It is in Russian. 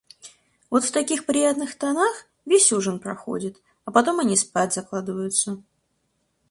Вот в таких приятных тонах, весь ужин проходит, а потом они спать закладываются.